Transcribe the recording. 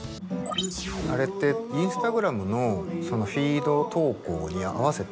あれってインスタグラムのフィード投稿に合わせて。